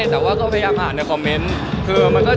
แต่ก็พยายามหาในคอมเม้นท์